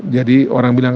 jadi orang bilang